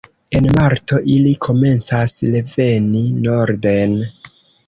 En marto ili komencas reveni norden.